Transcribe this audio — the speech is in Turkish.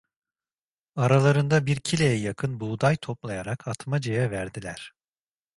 Aralarında bir kileye yakın buğday toplayarak Atmaca’ya verdiler.